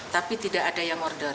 tapi tidak ada yang order